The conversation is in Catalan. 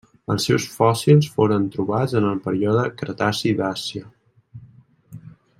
Els seus fòssils foren trobats en el període Cretaci d'Àsia.